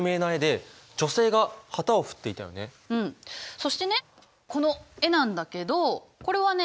そしてねこの絵なんだけどこれはね